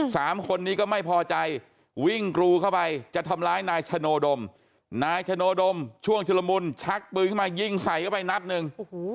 สามคนนี้ก็ไม่พอใจวิ่งกรูเข้าไปจะทำร้ายนายชโนดมนายชโนดมช่วงชุลมุนชักปืนขึ้นมายิงใส่เข้าไปนัดหนึ่ง